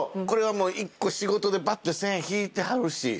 これはもう一個仕事でバッて線引いてはるし。